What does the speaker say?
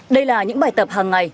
đây là những bài tập hàng ngày